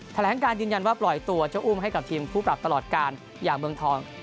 แถลงการยืนยันว่าปล่อยตัวเจ้าอุ้มให้กับทีมคู่ปรับตลอดการอย่างเมืองทอง